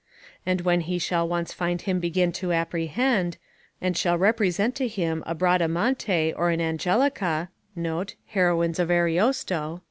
And when he shall once find him begin to apprehend, and shall represent to him a Bradamante or an Angelica [Heroines of Ariosto.